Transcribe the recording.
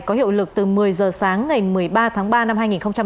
có hiệu lực từ một mươi h sáng ngày một mươi ba tháng ba năm hai nghìn một mươi chín